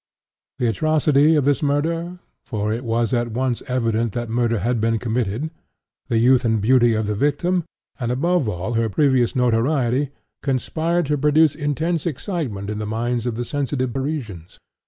(*6) The atrocity of this murder, (for it was at once evident that murder had been committed,) the youth and beauty of the victim, and, above all, her previous notoriety, conspired to produce intense excitement in the minds of the sensitive Parisians.